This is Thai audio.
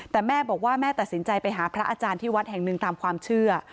แต่แม่บอกว่าแม่ตัดสินใจไปหาพระอาจารย์ที่วัดแห่งหนึ่งตามความเชื่อ